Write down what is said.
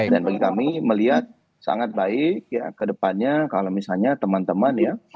dan bagi kami melihat sangat baik ya kedepannya kalau misalnya teman teman ya